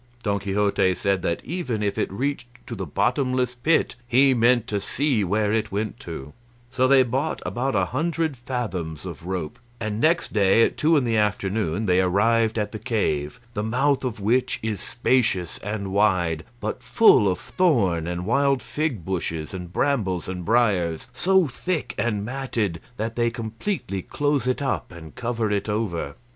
Don Quixote said that even if it reached to the bottomless pit he meant to see where it went to; so they bought about a hundred fathoms of rope, and next day at two in the afternoon they arrived at the cave, the mouth of which is spacious and wide, but full of thorn and wild fig bushes and brambles and briars, so thick and matted that they completely close it up and cover it over.